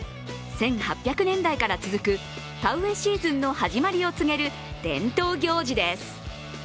１８００年代から続く田植えシーズンの始まりを告げる伝統行事です。